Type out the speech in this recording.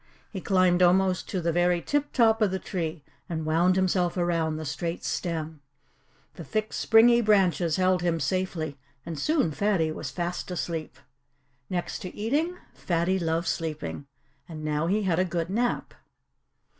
He climbed almost to the very tip top of the tree and wound himself around the straight stem. The thick, springy branches held him safely, and soon Fatty was fast asleep. Next to eating, Fatty loved sleeping. And now he had a good nap.